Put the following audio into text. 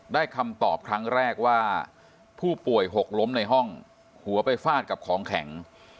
คำตอบครั้งแรกว่าผู้ป่วยหกล้มในห้องหัวไปฟาดกับของแข็ง